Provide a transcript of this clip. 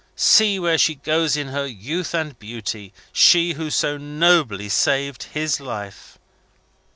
See where she goes in her youth and beauty; she who so nobly saved his life!"